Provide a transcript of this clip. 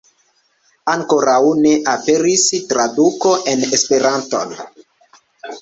Ankoraŭ ne aperis traduko en Esperanton.